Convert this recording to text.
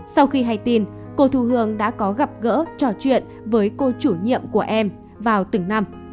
sau khi hay tin cô thu hương đã có gặp gỡ trò chuyện với cô chủ nhiệm của em vào từng năm